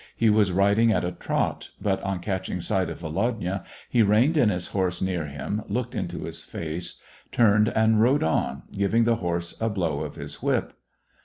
He was riding at a trot, but, on catching sight of Volodya, he reined in his horse near him, looked into his face, turned and rode on, giving the horse a blow of his whip.